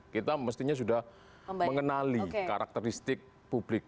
kita mestinya sudah mengenali karakteristik publik